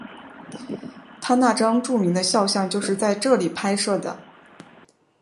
他那张著名的肖像就是在这里拍摄的。